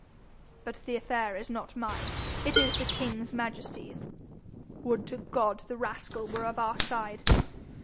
But the affair is not mine; it is the king's majesty's. Would to God the rascal were of our side!